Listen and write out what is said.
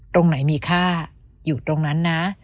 ตรงไหนมีค่าอยู่ตรงนั้นนะ